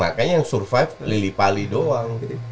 makanya yang survive lili pali doang